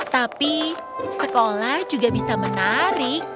tapi sekolah juga bisa menarik